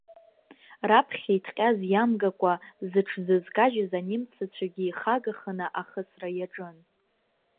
Раԥхьа иҭҟьаз иамгакәа зыҽзызкажьыз анемеццәагьы ихагаханы ахысра иаҿын.